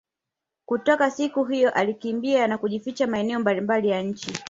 Kutoka siku hiyo alikimbia na kujificha maeneo mbali mbali ya nchi